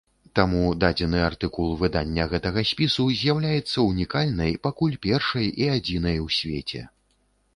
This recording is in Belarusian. Таму дадзены артыкул выдання гэтага спісу з'яўляецца ўнікальнай, пакуль першай і адзінай у свеце.